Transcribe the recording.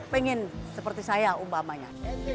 pengen seperti saya umpamanya